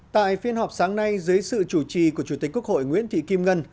tại phiên họp sáng nay dưới sự chủ trì của chủ tịch quốc hội nguyễn thị kim ngân